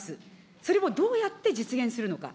それをどうやって実現するのか。